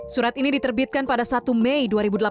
surat ini diterbitkan pada satu mei dua ribu delapan belas